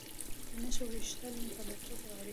نښه ویشتل تمرکز غواړي